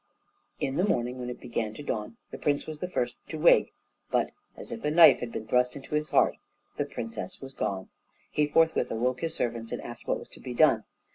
In the morning, when it began to dawn, the prince was the first to wake, but as if a knife had been thrust into his heart the princess was gone! He forthwith awoke his servants, and asked what was to be done.